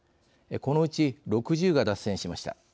このうち６０が脱線しました。